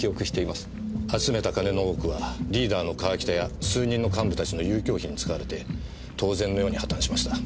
集めた金の多くはリーダーの川北や数人の幹部たちの遊興費に使われて当然のように破綻しました。